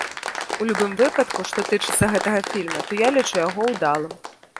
У любым выпадку, што тычыцца гэтага фільма, то я лічу яго ўдалым.